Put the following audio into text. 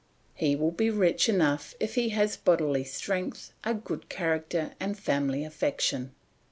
He will be rich enough if he has bodily strength, a good character, and family affection.